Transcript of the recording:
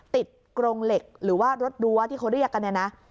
ติดโกร่งเหล็กหรือว่ารถรั้วที่เขาเรียกกัน